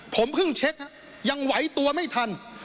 ผมเพิ่งเช็คยังไหวตัวไม่ทัน